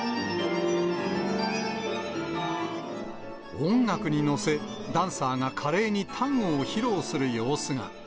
音楽に乗せ、ダンサーが華麗にタンゴを披露する様子が。